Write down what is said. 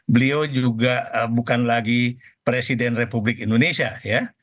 beliau juga bukan lagi presiden republik indonesia ya